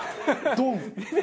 ドン！